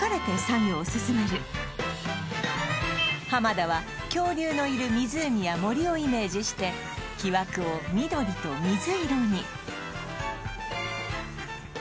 田は恐竜のいる湖や森をイメージして木枠を緑と水色に！